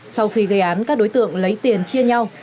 sau khi gây án các đối tượng lấy tiền chia nhau